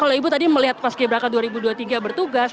kalau ibu tadi melihat pas gebraka dua ribu dua puluh tiga bertugas